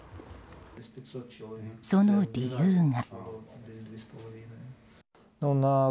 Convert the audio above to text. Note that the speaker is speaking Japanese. その理由が。